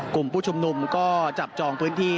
กลุ่มผู้ชุมนุมก็จับจองพื้นที่